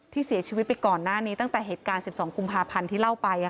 เสียชีวิตไปก่อนหน้านี้ตั้งแต่เหตุการณ์๑๒กุมภาพันธ์ที่เล่าไป